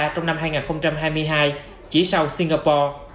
trong năm hai nghìn hai mươi hai chỉ sau singapore